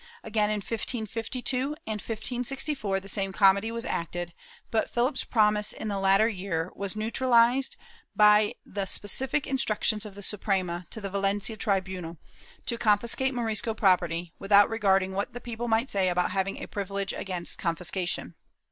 Again in 1552 and 1564 the same comedy was acted, but Philip's promise in the latter year was neutralized by specific instructions of the Suprema, to the Valencia tribunal, to confiscate Morisco property, without regarding what the people might say about having a privilege against confiscation.